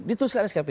dituruskan ke skpd